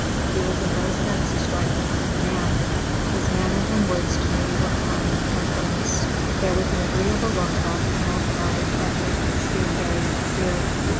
He was in no sense a striking looking man. His manner and words to me were kind and earnest. There was an agreeable look about his mouth and eyes that made him seem very sincere.